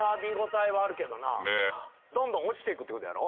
どんどん落ちていくってことやろ。